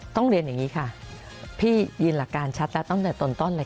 เรียนอย่างนี้ค่ะพี่ยืนหลักการชัดแล้วตั้งแต่ต้นเลยค่ะ